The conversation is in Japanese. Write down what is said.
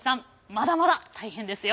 まだまだ大変ですよ。